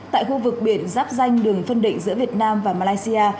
tại khu vực biển giáp danh đường phân định giữa việt nam và malaysia